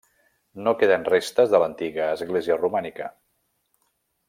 No queden restes de l'antiga església romànica.